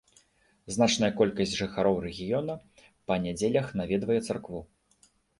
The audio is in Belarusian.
Значная колькасць жыхароў рэгіёна па нядзелях наведвае царкву.